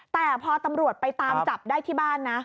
แต่พอตำรวจไปตามจับได้ที่บ้านนะ